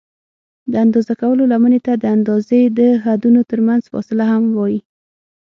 د اندازه کولو لمنې ته د اندازې د حدونو ترمنځ فاصله هم وایي.